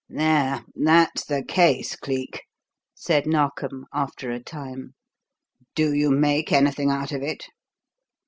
"There, that's the case, Cleek," said Narkom, after a time. "Do you make anything out of it?"